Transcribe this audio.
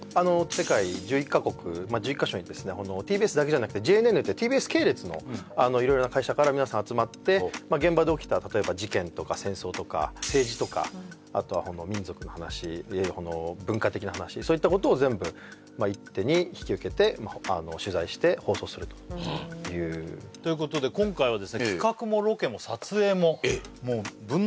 世界１１カ国１１カ所にですねＴＢＳだけじゃなくてＪＮＮってＴＢＳ系列の色々な会社から皆さん集まって政治とかあとは民族の話文化的な話そういったことを全部まあ一手に引き受けて取材して放送するというということでうわっええっ！？